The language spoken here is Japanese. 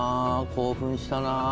興奮したなぁ。